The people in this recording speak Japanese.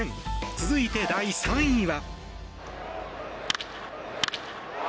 続いて第３位は。